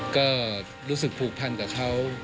ก็รู้สึกภูคร์พันธ์กับเขา